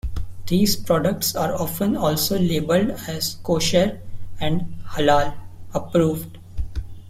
These products are often also labeled as kosher and halal approved.